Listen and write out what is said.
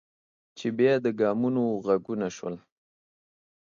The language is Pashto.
چې بیا د ګامونو غږونه شول.